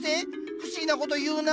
不思議なこと言うな。